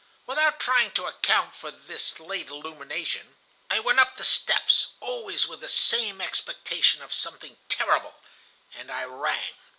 Without trying to account for this late illumination, I went up the steps, always with the same expectation of something terrible, and I rang.